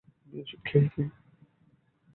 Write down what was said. আমি ওষুধ খেয়েছি।